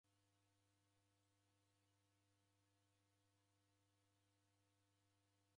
Kumkunde mbenyu seji koni kukukunde kumoni.